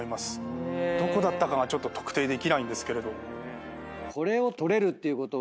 どこだったかがちょっと特定できないんですけれど。